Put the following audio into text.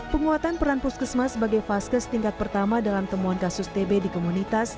penguatan peran puskesmas sebagai vaskes tingkat pertama dalam temuan kasus tb di komunitas